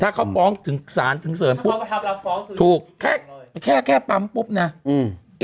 ถ้าเขาฟ้องถึงสารถึงเสริมปุ๊บถูกแค่แค่แค่แค่ปั๊มปุ๊บน่ะอืม